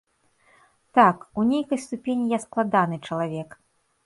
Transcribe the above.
Так, у нейкай ступені я складаны чалавек.